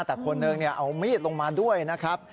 แต่คนหนึ่งเอามีดลงมาด้วยนะครับ